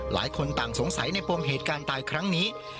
หลายคนต่างสงสัยในปมเหตุการณ์ตายครั้งนี้